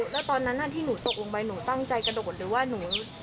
แล้วตอนนั้นที่หนูตกลงไปหนูตั้งใจกระโดดหรือว่าหนู